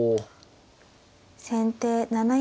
先手７四銀。